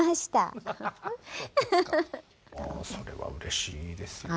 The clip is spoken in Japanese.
ああそれはうれしいですね。